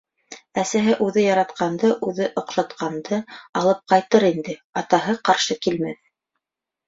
Әсәһе үҙе яратҡанды, үҙе оҡшатҡанды алып ҡайтыр инде, атаһы ҡаршы килмәҫ.